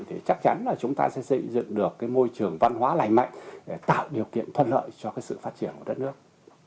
thì chắc chắn là chúng ta sẽ xây dựng được cái môi trường văn hóa lành mạnh để tạo điều kiện thuận lợi cho cái sự phát triển của đất nước